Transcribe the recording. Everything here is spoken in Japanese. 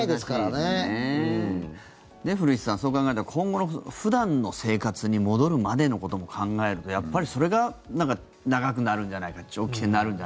ねえ、古市さんそう考えたら今後の普段の生活に戻るまでのことも考えると長期戦になるんじゃないかっていう。